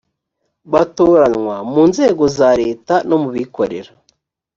batoranywa mu nzego za leta no mu bikorera